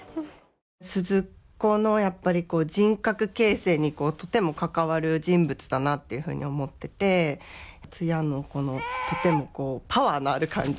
鈴子のやっぱり人格形成にとても関わる人物だなっていうふうに思っててツヤのこのとてもパワーのある感じ。